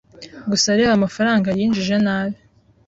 Gusa reba amafaranga yinjije nabi